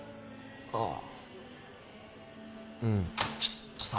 ああうんちょっとさ